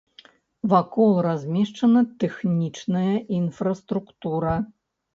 Вакол размешчана тэхнічная інфраструктура.